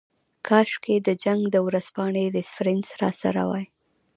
کاشکې د جنګ د ورځپاڼې ریفرنس راسره وای.